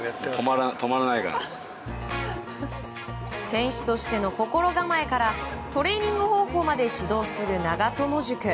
選手としての心構えからトレーニング方法まで指導する長友塾。